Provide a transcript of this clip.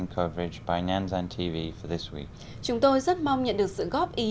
chúng tôi rất mong nhận được sự góp ý